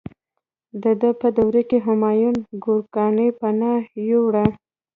د ده په دوره کې همایون ګورکاني پناه یووړه.